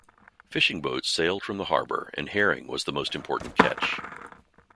Fishing boats sailed from the harbour and herring was the most important catch.